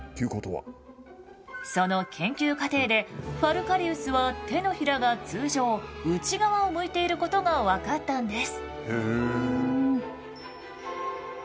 その研究過程でファルカリウスは手のひらが通常内側を向いていることが分かったんです。